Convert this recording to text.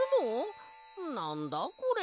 なんだこれ！？